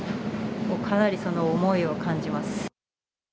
かなり思いを感じます。